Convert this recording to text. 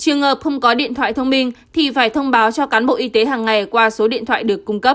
trường hợp không có điện thoại thông minh thì phải thông báo cho cán bộ y tế hàng ngày qua số điện thoại được cung cấp